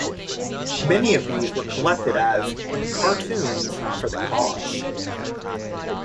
Many of these were collected as "Cartoons for the Cause".